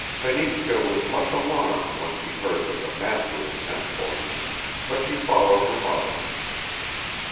Fenichka was much alarmed when she heard that the master had sent for her, but she followed her mother.